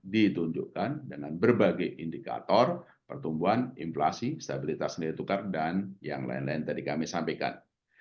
dan tentu saja dituntutkan dengan berbagai indikator pertumbuhan inflasi stabilitas sendiri tukar dan yang lain lain tadi kami sampaikan